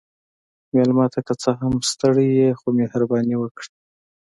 مېلمه ته که څه هم ستړی يې، خو مهرباني وکړه.